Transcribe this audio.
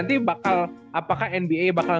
nanti bakal apakah nba bakal